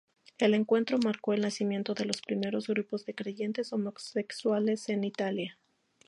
El encuentro marcó el nacimiento de los primeros grupos de creyentes homosexuales en Italia.